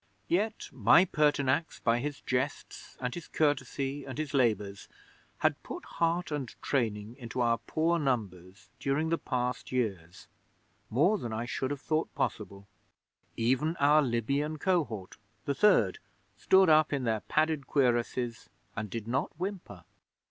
Yet my Pertinax by his jests and his courtesy and his labours had put heart and training into our poor numbers during the past years more than I should have thought possible. Even our Libyan Cohort the Third stood up in their padded cuirasses and did not whimper.